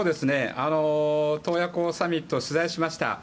洞爺湖サミットを取材しました。